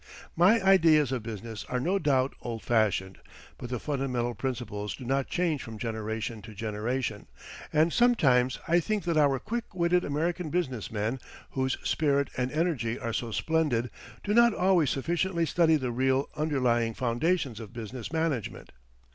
My ideas of business are no doubt old fashioned, but the fundamental principles do not change from generation to generation, and sometimes I think that our quick witted American business men, whose spirit and energy are so splendid, do not always sufficiently study the real underlying foundations of business management.